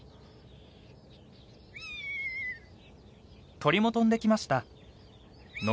鳥も飛んできました。